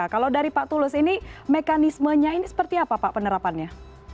kalau dari pak tulus ini mekanismenya ini seperti apa pak penerapannya